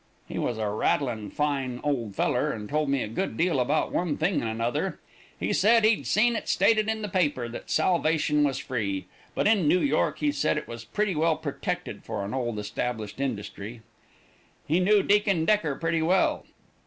"He was a rattlin' fine old feller, and told me a good deal about one thing and another. He said he'd seen it stated in the paper that salvation was free, but in New York he said it was pretty well protected for an old established industry. "He knew Deacon Decker pretty well.